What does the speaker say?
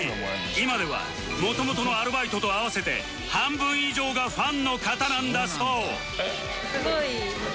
今では元々のアルバイトと合わせて半分以上がファンの方なんだそう